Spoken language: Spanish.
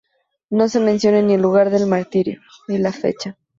No se mencionan ni el lugar del martirio, ni la fecha.